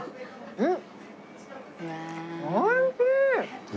うん！